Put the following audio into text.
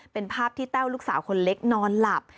เป็นภาพที่แต้วลูกสาวคนเล็กนอนหลับ